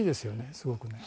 すごくね。